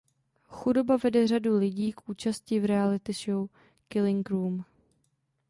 Chudoba vede řadu lidí k účasti v reality show Killing Room.